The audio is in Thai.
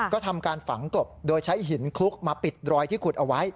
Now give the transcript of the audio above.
ก็ทำการฝังกลบโดยใช้หินคลุกมาปิดรอยที่ขุดเอาไว้